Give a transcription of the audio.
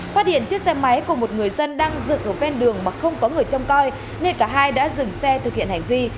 phát hiện chiếc xe máy của một người dân đang dựng ở ven đường mà không có người trông coi nên cả hai đã dừng xe thực hiện hành vi